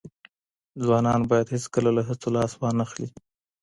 ځوانان باید هیڅکله له هڅو لاس وانخلي.